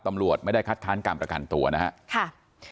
ตำรวจไม่ได้คัดค้านการประกันตัวนะครับ